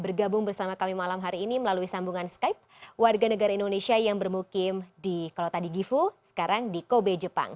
bergabung bersama kami malam hari ini melalui sambungan skype warga negara indonesia yang bermukim di kalau tadi gifu sekarang di kobe jepang